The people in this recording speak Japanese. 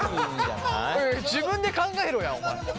おいおい自分で考えろやお前。